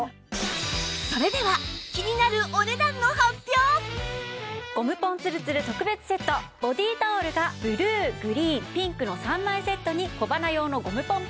それではゴムポンつるつる特別セットボディータオルがブルーグリーンピンクの３枚セットに小鼻用のゴムポン